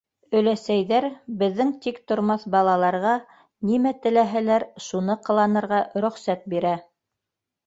Өләсәйҙәр беҙҙең тиктормаҫ балаларға нимә теләһәләр, шуны ҡыланырға рөхсәт бирә.